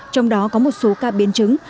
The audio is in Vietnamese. trong đó có một số ca biến chứng